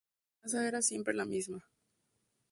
La amenaza era siempre la miseria.